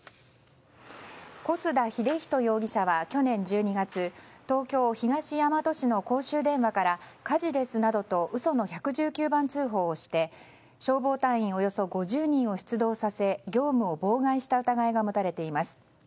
小須田英士容疑者は去年１２月東京・東大和市の公衆電話から火事ですなどと嘘の１１９番通報をして消防隊員およそ５０人を出動させ業務を妨害した疑いが持たれています。